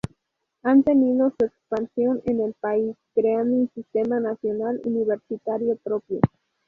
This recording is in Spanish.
Han tenido su expansión en el País, creando un sistema nacional universitario propio.